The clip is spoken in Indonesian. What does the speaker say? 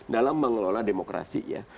dalam mengelola demokrasi ya